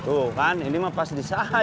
tuh kan ini mah pas di saya bang